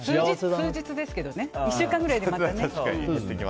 数日ですけどね１週間ぐらいでまたね。